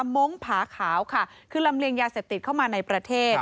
มงค์ผาขาวค่ะคือลำเลียงยาเสพติดเข้ามาในประเทศ